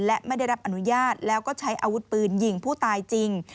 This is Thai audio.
และไม่ได้รับอนุญาตแล้วก็ใช้อาวุธปืนยิงผู้ตายจริง